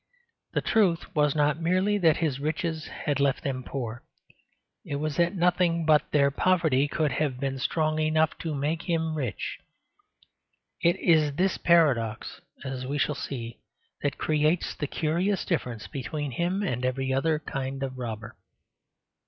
The truth was not merely that his riches had left them poor; it was that nothing but their poverty could have been strong enough to make him rich. It is this paradox, as we shall see, that creates the curious difference between him and every other kind of robber.